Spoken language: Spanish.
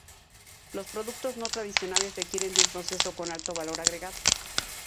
Los productos no tradicionales requieren de un proceso con alto valor agregado.